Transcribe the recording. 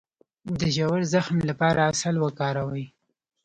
د ژور زخم لپاره عسل وکاروئ